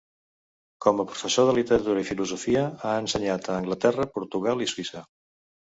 Com a professor de literatura i filosofia, ha ensenyat a Anglaterra, Portugal i Suïssa.